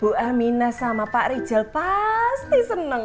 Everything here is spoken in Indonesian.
bu amina sama pak rijal pasti seneng